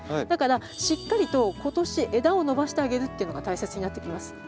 だからしっかりと今年枝を伸ばしてあげるっていうのが大切になってきます。